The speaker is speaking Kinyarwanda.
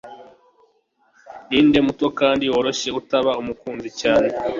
Ninde muto kandi woroshye utaba umukunzi cyane